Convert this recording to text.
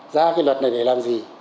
ra cái luật này để làm gì